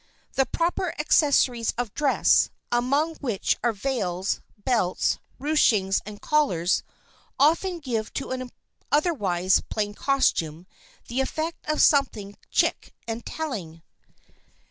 The proper accessories of dress, among which are veils, belts, ruchings and collars, often give to an otherwise plain costume, the effect of something chic and telling.